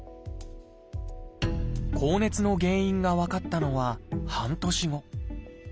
高熱の原因が分かったのは半年後。